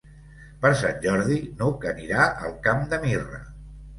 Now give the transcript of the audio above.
Per Sant Jordi n'Hug anirà al Camp de Mirra.